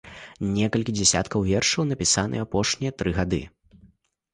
Некалькі дзясяткаў вершаў напісаныя ў апошнія тры гады.